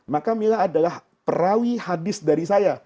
maka mila adalah perawi hadis dari saya